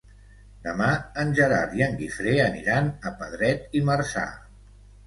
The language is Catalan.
Demà en Gerard i en Guifré aniran a Pedret i Marzà.